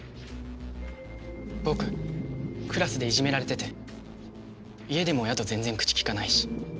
僕クラスでいじめられてて家でも親と全然口利かないし。